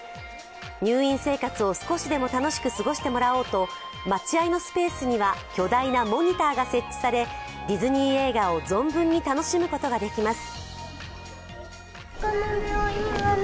入院生活を少しでも楽しく過ごしてもらおうと待合のスペースには巨大なモニターが設置されディズニー映画を存分に楽しむことができます。